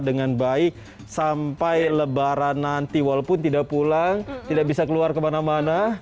dengan baik sampai lebaran nanti walaupun tidak pulang tidak bisa keluar kemana mana